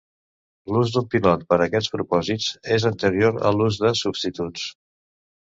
L'ús d'un pilot per aquests propòsits és anterior a l'us de substituts.